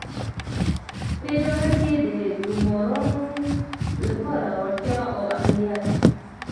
په اداره کې د ګومارنو لپاره وړتیا او اهلیت.